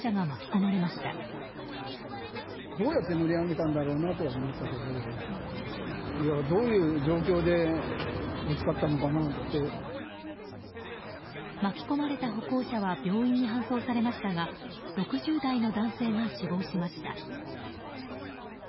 巻き込まれた歩行者は病院に搬送されましたが６０代の男性が死亡しました。